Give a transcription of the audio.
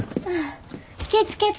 気ぃ付けて。